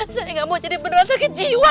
saya gak mau jadi beneran sakit jiwa